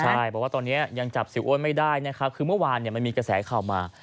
ใช่บอกว่าตอนนี้ยังจับเสียอ้วนไม่ได้นะครับคือเมื่อวานมันมีกระแสข่าวมา